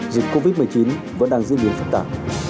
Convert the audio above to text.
dịch covid một mươi chín vẫn đang diễn biến phức tạp